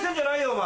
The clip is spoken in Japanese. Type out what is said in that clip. お前。